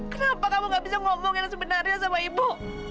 kenapa kamu tidak bisa ngomong yang sebenarnya dengan ibu